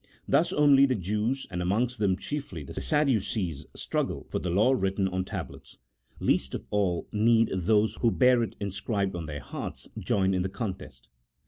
Thus only the Jews, and amongst them chiefly the Sadducees, struggled for the law written on tablets ; least of all need those who bear it inscribed on their hearts join in the contest.